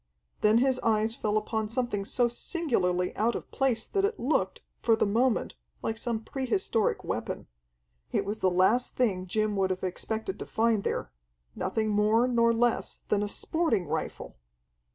Then his eyes fell upon something so singularly out of place that it looked, for the moment, like some pre historic weapon. It was the last thing Jim would have expected to find there nothing more nor less than a sporting rifle!